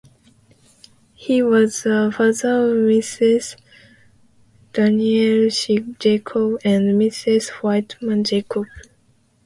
He was the father of Mrs. Daniel C. Jacobs and Mrs. Whitman Jacobs.